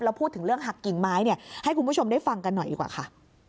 พูดถึงเรื่องหักกิ่งไม้เนี่ยให้คุณผู้ชมได้ฟังกันหน่อยดีกว่าค่ะ